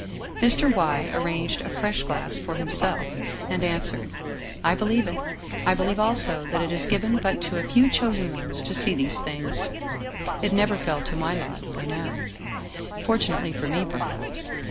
Mr. Y. arranged a fresh glass for himself, and answered :" I believe it. I believe also that it is given but to a few chosen ones to see these things. It never fell to my lot, I know. Fortunately for me, perhaps.